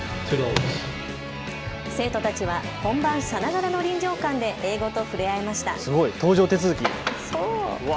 生徒たちは本番さながらの臨場感で英語と触れ合いました。